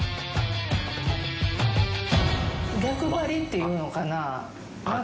逆張りっていうのかな。